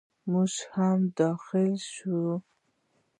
موږ هم داخل شوو.